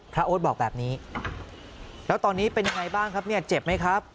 โอ๊ตบอกแบบนี้แล้วตอนนี้เป็นยังไงบ้างครับเนี่ยเจ็บไหมครับ